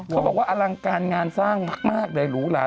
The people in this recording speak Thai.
เขาบอกว่าอลังการงานสร้างมากเลยหรูหลา